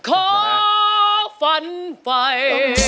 ขอฝันไฟ